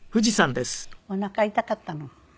おなか痛かったの。